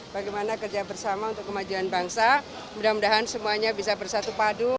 bagaimana kerja bersama untuk kemajuan bangsa mudah mudahan semuanya bisa bersatu padu